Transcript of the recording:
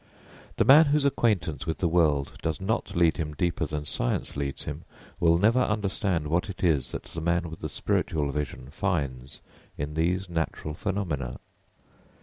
The man whose acquaintance with the world does not lead him deeper than science leads him, will never understand what it is that the man with the spiritual vision finds in these natural phenomena.